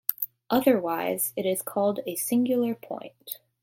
Otherwise it is called a singular point.